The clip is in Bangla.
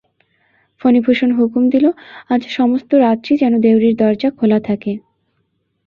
ফণিভূষণ হুকুম দিল, আজ সমস্ত রাত্রি যেন দেউড়ির দরজা খোলা থাকে।